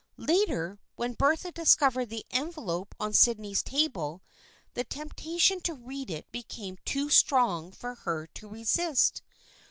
Later, when Bertha discovered the envelope on Sydney's table, the temptation to read it became too strong for her to resist.